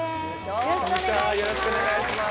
よろしくお願いします